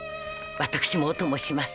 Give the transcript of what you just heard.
私もお供します。